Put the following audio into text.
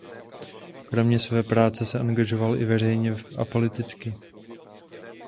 Kromě své práce se angažoval i veřejně a politicky.